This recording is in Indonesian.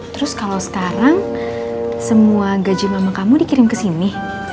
terus kalau sekarang semua gaji mama kamu dikirim kesini